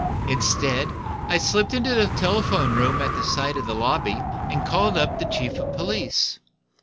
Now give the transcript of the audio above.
Instead, I slipped into the telephone room, at the side of the lobby, and called up the chief of police.